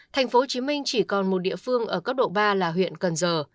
tp hcm chỉ còn một địa phương ở cấp độ ba là huyện cần giờ